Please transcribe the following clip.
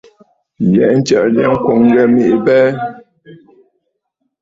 Yɛ̀ʼɛ̀ ntsaʼà jya ŋkwòŋ ŋghɛ mèʼê abɛɛ.